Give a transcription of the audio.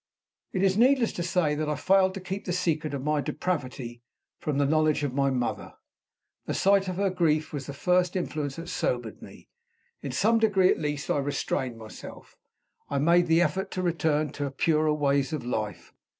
It is needless to say that I failed to keep the secret of my depravity from the knowledge of my mother. The sight of her grief was the first influence that sobered me. In some degree at least I restrained myself: I made the effort to return to purer ways of life.